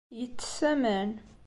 Yettess aman.